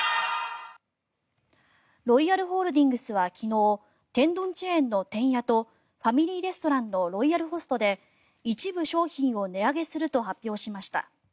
ロイヤルホールディングスは昨日天丼チェーンのてんやとファミリーレストランのロイヤルホストで一部商品を値上げすると発表しました。